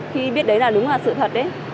khi biết đấy là đúng là sự thật ấy